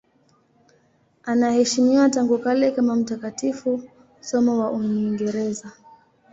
Anaheshimiwa tangu kale kama mtakatifu, somo wa Uingereza.